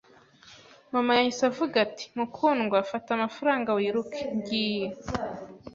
Mama yahise avuga ati: “Mukundwa, fata amafaranga wiruke. ngiye